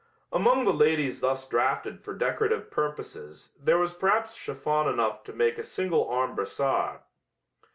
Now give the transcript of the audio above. Among the ladies thus drafted for decorative purposes there was perhaps chiffon enough to make a single arm brassard.